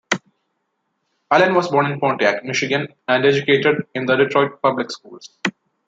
Allen was born in Pontiac, Michigan and educated in the Detroit Public Schools.